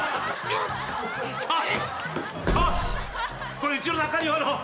これうちの中庭の。